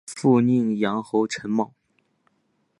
父宁阳侯陈懋。